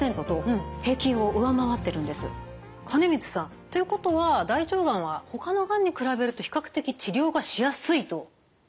金光さんということは大腸がんはほかのがんに比べると比較的治療がしやすいということなんですね？